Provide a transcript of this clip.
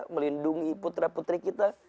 melindungi putra putri kita